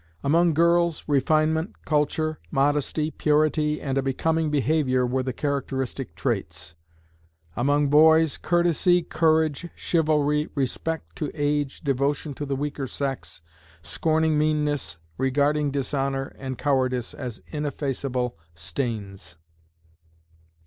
Among girls, refinement, culture, modesty, purity and a becoming behavior were the characteristic traits; among boys, courtesy, courage, chivalry, respect to age, devotion to the weaker sex, scorning meanness, regarding dishonor and cowardice as ineffaceable stains.